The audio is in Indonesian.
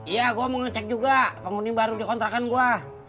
iya gue mau ngecek juga pengundi baru dikontrakan gue